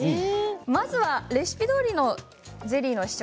まずレシピどおりのゼリーの試食